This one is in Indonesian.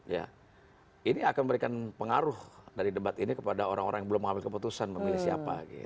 ya ini akan memberikan pengaruh dari debat ini kepada orang orang yang belum mengambil keputusan memilih siapa